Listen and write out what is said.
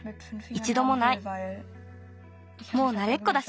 もうなれっこだし。